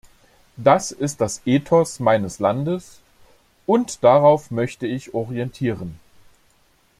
Das ist das Ethos meines Landes, und darauf möchte ich orientieren.